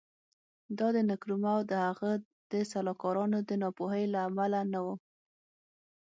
دا د نکرومه او د هغه د سلاکارانو د ناپوهۍ له امله نه و.